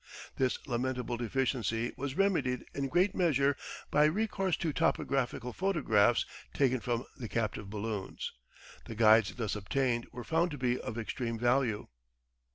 This lamentable deficiency was remedied in great measure by recourse to topographical photographs taken from the captive balloons. The guides thus obtained were found to be of extreme value.